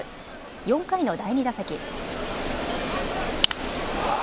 ４回の第２打席。